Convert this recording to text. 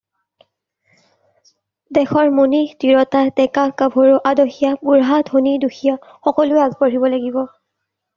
দেশৰ মুনিহ, তিৰোতা, ডেকা, গাভৰু, আদহীয়া, বুঢ়া, ধনী, দুখীয়া সকলোৱেই আগবাঢ়িব লাগিব।